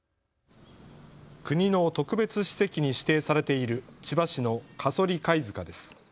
国の特別史跡に指定されている千葉市の加曽利貝塚です。